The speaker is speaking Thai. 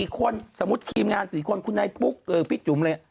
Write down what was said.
๔คนสมมุติทีมงาน๔คนคุณนายปุ๊กพี่จุ๋มเลย